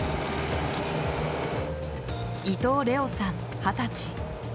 伊藤怜央さん、二十歳。